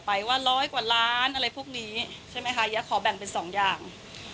ไปว่าร้อยกว่าล้านอะไรพวกนี้ใช่ไหมคะยะขอแบ่งเป็นสองอย่าง